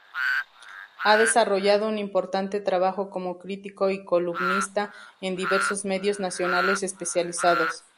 Ha desarrollado un importante trabajo como crítico y columnista en diversos medios nacionales especializados.